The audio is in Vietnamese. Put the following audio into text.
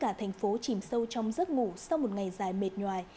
các thành phố chìm sâu trong giấc ngủ sau một ngày dài mệt nhoài